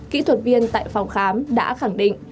kỹ thuật viên tại phòng khám đã khẳng định